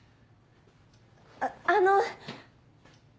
ああの。